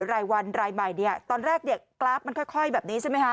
รายวันรายใหม่เนี่ยตอนแรกเนี่ยกราฟมันค่อยแบบนี้ใช่ไหมคะ